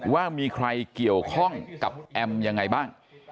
ว่ามีใครเกี่ยวข้องกับแอมยังไงบ้าง